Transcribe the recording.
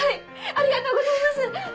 ありがとうございます！